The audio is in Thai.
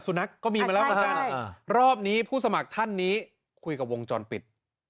นักก็มีมาแล้วเหมือนกันรอบนี้ผู้สมัครท่านนี้คุยกับวงจรปิด